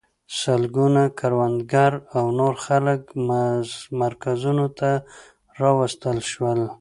سلګونه کروندګر او نور خلک مرکزونو ته راوستل شول.